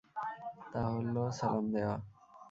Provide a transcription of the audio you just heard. তা হল সালাম দেয়া।